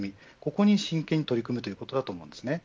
ここに真剣に取り組むということだと思います。